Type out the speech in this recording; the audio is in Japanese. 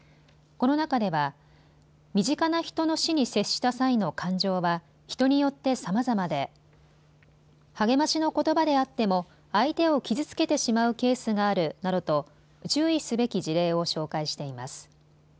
この中では、身近な人の死に接した際の感情は人によってさまざまで励ましのことばであっても相手を傷つけてしまうケースがあるなどと注意すべき事例を紹介しています。